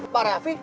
pak pak raffi